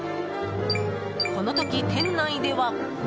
この時、店内では。